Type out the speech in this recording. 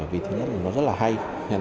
vì thứ nhất là nó rất là hay